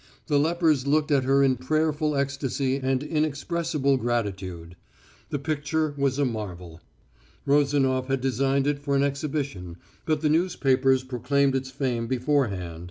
The lepers looked at her in prayerful ecstasy and inexpressible gratitude. The picture was a marvel. Rozanof had designed it for an exhibition, but the newspapers proclaimed its fame beforehand.